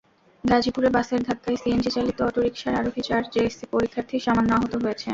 গাজীপুরে বাসের ধাক্কায় সিএনজিচালিত অটোরিকশার আরোহী চার জেএসসি পরীক্ষার্থী সামান্য আহত হয়েছে।